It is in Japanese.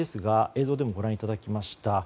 映像でもご覧いただきました。